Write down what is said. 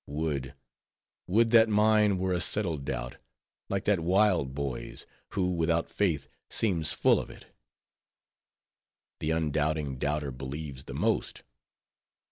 Would, would that mine were a settled doubt, like that wild boy's, who without faith, seems full of it. The undoubting doubter believes the most.